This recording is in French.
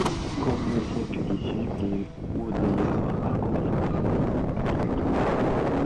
Au cours des deux siècles qui suivent, les Wodeyar accroissent considérablement leur territoire.